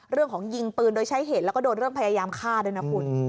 ยิงปืนโดยใช้เหตุแล้วก็โดนเรื่องพยายามฆ่าด้วยนะคุณ